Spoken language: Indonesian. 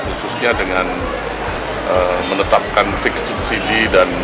khususnya dengan menetapkan fix subsidi dan